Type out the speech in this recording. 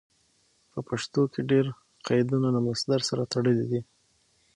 په پښتو کې ډېر قیدونه له مصدر سره تړلي دي.